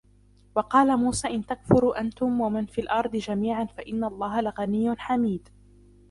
وقال موسى إن تكفروا أنتم ومن في الأرض جميعا فإن الله لغني حميد